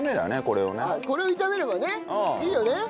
これを炒めればねいいよね。